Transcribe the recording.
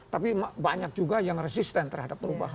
tapi banyak juga yang resisten terhadap perubahan